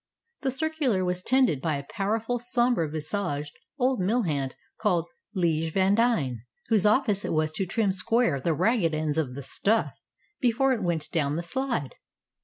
The circular was tended by a powerful, sombre visaged old mill hand called 'Lije Vandine, whose office it was to trim square the ragged ends of the "stuff" before it went down the slide.